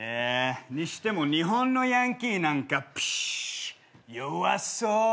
にしても日本のヤンキーなんかプシュー弱そう。